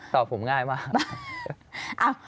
ตอบผมง่ายมาก